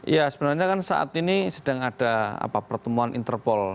ya sebenarnya kan saat ini sedang ada pertemuan interpol